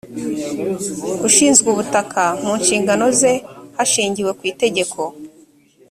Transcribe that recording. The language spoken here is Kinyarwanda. ushinzwe ubutaka mu nshingano ze hashingiwe ku itegeko